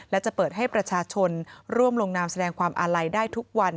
และจะเปิดให้ประชาชนร่วมลงนามแสดงความอาลัยได้ทุกวัน